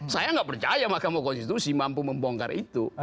saya nggak percaya mahkamah konstitusi mampu membongkar itu